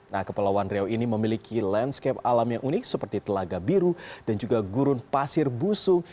nah kepulauan riau ini memiliki landscape alam yang unik seperti telaga biru dan juga gurun pasir busung